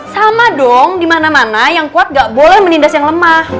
sama dong di mana mana yang kuat nggak boleh menindas yang lemah